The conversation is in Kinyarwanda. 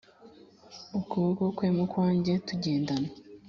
ukuboko kwe mu kwanjye tugendana